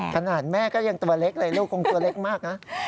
ขนาดแม่ก็ยังตัวเล็กเลยลูกคงตัวเล็กมากนะ